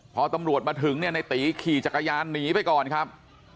พอตำรวจมาถึงเนี่ยในตีขี่จักรยานหนีไปก่อนครับ